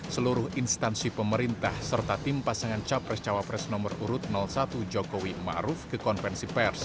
seluruh instansi pemerintah serta tim pasangan capres cawapres nomor urut satu jokowi ⁇ maruf ⁇ ke konvensi pers